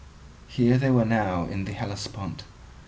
Here they were now in the Hellespont.